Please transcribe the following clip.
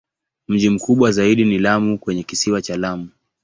Mji mkubwa zaidi ni Lamu kwenye Kisiwa cha Lamu.